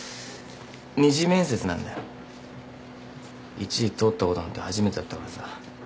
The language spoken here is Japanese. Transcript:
一次通ったことなんて初めてだったからさ。